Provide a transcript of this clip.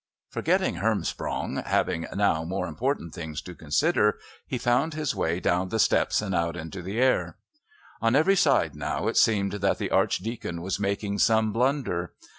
Forgetting Hermsprong, having now more important things to consider, he found his way down the steps and out into the air. On every side now it seemed that the Archdeacon was making some blunder.